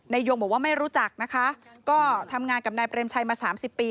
ในโยงบอกว่าไม่รู้จักก็ทำงานกับนายเปรมชายมาสามสิบปี